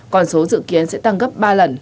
còn số dự kiến sẽ tăng gấp ba lần